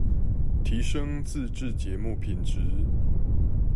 提昇自製節目品質